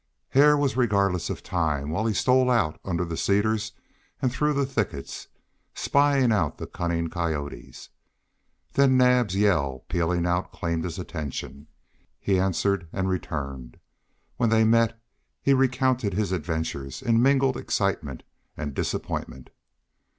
Hare was regardless of time while he stole under the cedars and through the thickets, spying out the cunning coyotes. Then Naab's yell pealing out claimed his attention; he answered and returned. When they met he recounted his adventures in mingled excitement and disappointment.